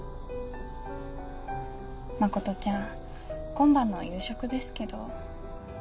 真ちゃん今晩の夕食ですけど。